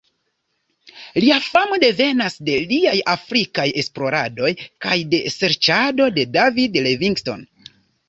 Lia famo devenas de liaj afrikaj esploradoj kaj de serĉado de David Livingstone.